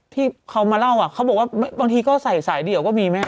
ที่เขามาเล่าอ่ะเขาบอกว่าบางทีก็ใส่สายเดี่ยวก็มีไหม